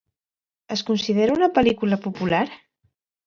Es considera una pel·lícula popular?